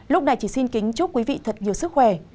lúc này chỉ xin kính chúc quý vị thật nhiều sức khỏe